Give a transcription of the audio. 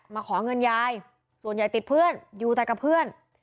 มาขอเงินยายส่วนใหญ่ติดเพื่อนอยู่แต่กับเพื่อน